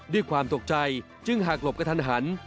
ด้วยความตกใจจึงหากหลบกระทันหัน